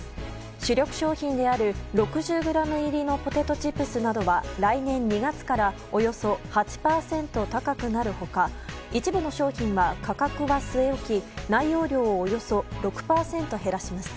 主力商品である、６０ｇ入りのポテトチップスなどは来年２月からおよそ８％高くなる他一部の商品は、価格は据え置き内容量をおよそ６％減らします。